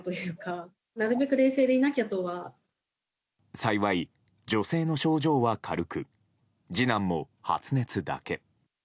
幸い女性の症状は軽く次男も発熱だけ。